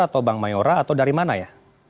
atau bank mayora atau dari mana ya